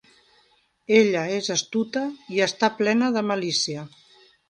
Ella és astuta i està plena de malícia.